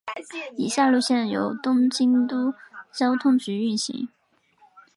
以下路线由东京都交通局运行。